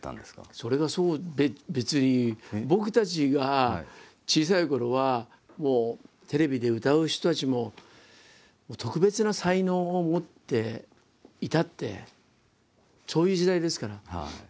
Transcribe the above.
それがそう別に僕たちが小さいころはもうテレビで歌う人たちも特別な才能を持っていたってそういう時代ですから。